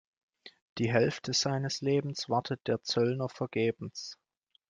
Die Hälfte seines Lebens wartet der Zöllner vergebens.